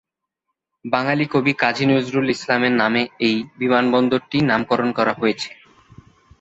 বাঙালি কবি কাজী নজরুল ইসলামের নামে এই বিমানবন্দরটির নামকরণ করা হয়েছে।